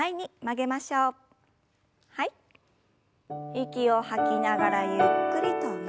息を吐きながらゆっくりと前に。